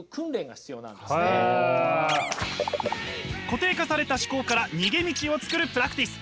固定化された思考から逃げ道を作るプラクティス。